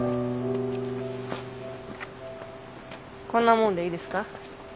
こんなもんでいいですか？